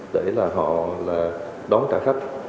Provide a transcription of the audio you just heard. để là họ đón trả khách